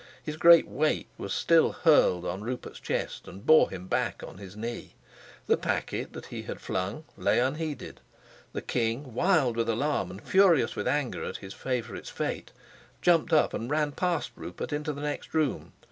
His great weight was still hurled on Rupert's chest, and bore him back on his knee. The packet that he had flung lay unheeded. The king, wild with alarm and furious with anger at his favorite's fate, jumped up and ran past Rupert into the next room.